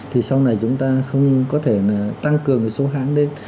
thì sau này chúng ta không có thể là tăng cường cái số hãng đấy